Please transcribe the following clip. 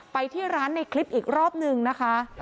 ไปที่ร้านในคลิปอีกรอบนึงนะคะ